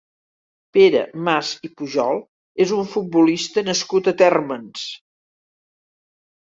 Pere Mas i Pujol és un futbolista nascut a Térmens.